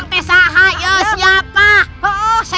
he'eh saya mah tidak tahu